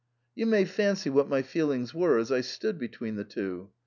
You may fancy what my feelings were as I stood between the two.